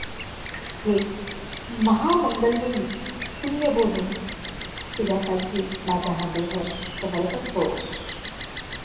हे महामंगलमयी पुण्यभूमे, तुझ्यासाठी माझा हा देह समर्पण होवो.